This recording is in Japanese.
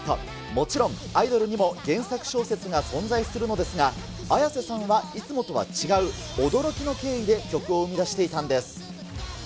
もちろんアイドルにも原作小説が存在するのですが、Ａｙａｓｅさんはいつもとは違う、驚きの経緯で曲を生み出していたんです。